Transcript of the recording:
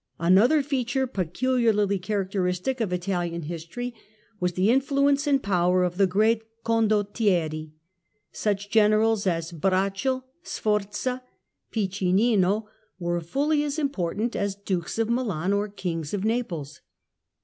Another feature peculiarly characteristic of Italian CondotUeri history was the influence and power of the great co7i dottieri. Such Generals as Braccio, Sforza, Piccinino, were fully as important as Dukes of Milan or Kings of Naples.